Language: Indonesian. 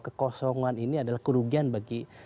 kekosongan ini adalah kerugian bagi